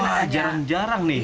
wah jarang jarang nih